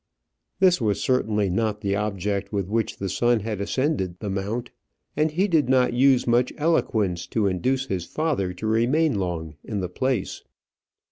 This was certainly not the object with which the son had ascended the mount, and he did not use much eloquence to induce his father to remain long in the place.